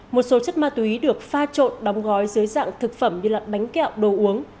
một số chất ma túy được pha trộn đóng gói dưới dạng thực phẩm như bánh kẹo đồ uống